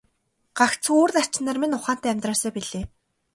Гагцхүү үр ач нар минь ухаантай амьдраасай билээ.